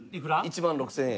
１万６０００円？